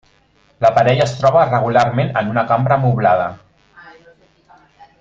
La parella es troba regularment en una cambra moblada.